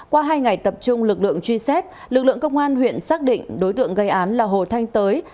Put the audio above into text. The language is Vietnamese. qua hai ngày tập trung lực lượng truy xét lực lượng công an huyện xác định đối tượng gây án là hồ thanh tới